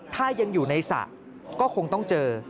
ถ้ายังอยู่ในศักดิ์ก็คงต้องเจอ